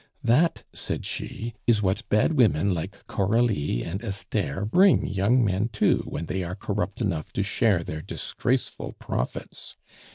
'That,' said she, 'is what bad women like Coralie and Esther bring young men to when they are corrupt enough to share their disgraceful profits!